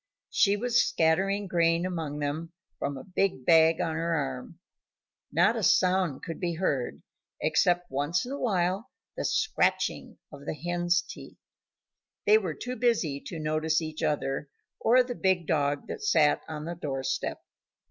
She was scattering grain among them from a big bag on her arm; not a sound could be heard except once in a while the scratching of the hens' feet. They were too busy to notice each other or the big dog that sat on the door step.